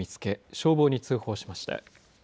消防に通報しました。